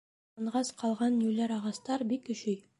Яланғас ҡалған йүләр ағастар бик өшөй.